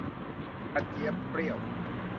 กระเจี๊ยบเปรี้ยว